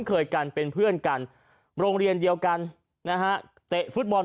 เคยกันเป็นเพื่อนกันโรงเรียนเดียวกันนะฮะเตะฟุตบอล